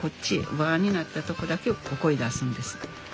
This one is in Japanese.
輪になったとこだけをここへ出すんです。